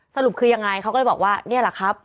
สรุปคือยังไงเขาก็เลยบอกว่านี่แหละครับ